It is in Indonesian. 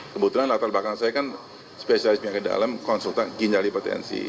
kebetulan latar belakang saya kan spesialisme yang ke dalam konsultan ginjal hipertensi